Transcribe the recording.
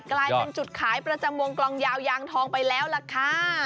กลายเป็นจุดขายประจำวงกลองยาวยางทองไปแล้วล่ะค่ะ